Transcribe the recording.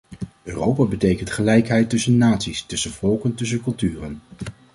Europa betekent gelijkheid tussen naties, tussen volken, tussen culturen.